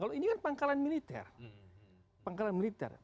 kalau ini kan pangkalan militer